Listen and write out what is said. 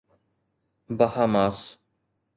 Bahamas